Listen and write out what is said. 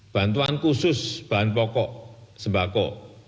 bantuan khusus bahan pokok sembako